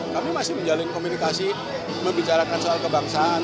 kami masih menjalin komunikasi membicarakan soal kebangsaan